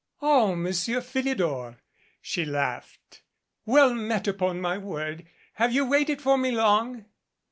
"O Monsieur Philidor!" she laughed. "Well met, upon my word! Have you waited for me long?"